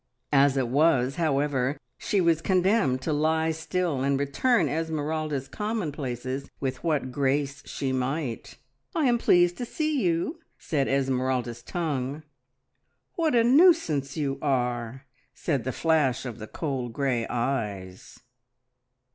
As it was, however, she was condemned to lie still and return Esmeralda's commonplaces with what grace she might. "I am pleased to see you," said Esmeralda's tongue. "What a nuisance you are!" said the flash of the cold grey eyes.